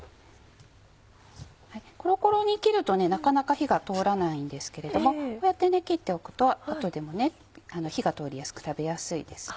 コロコロに切るとなかなか火が通らないんですけれどもこうやって切っておくと後でも火が通りやすく食べやすいですね。